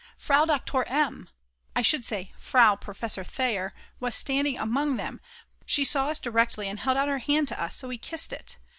Frau Doktor M., I should say Frau Professor Theyer, was standing among them, she saw us directly and held out her hand to us so we kissed it.